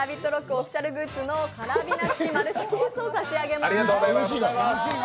オフィシャルグッズ川島さんにカラビナ付きマルチケースを差し上げます。